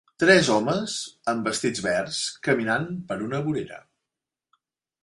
Tres homes amb vestits verds caminant per una vorera.